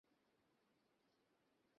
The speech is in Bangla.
পরে যুক্ত হয় রাইড শেয়ারিং সেবা।